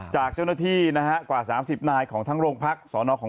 จากเจ้าหน้าที่นะฮะกว่า๓๐นายของทั้งโรงพักสอนอของ